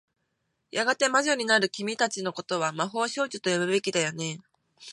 やがて魔女になる君たちの事は、魔法少女と呼ぶべきだよね。